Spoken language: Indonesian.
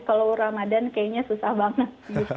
kalau ramadan kayaknya susah banget